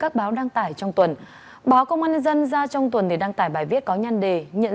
các báo đăng tải trong tuần báo công an nhân dân ra trong tuần để đăng tải bài viết có nhăn đề nhận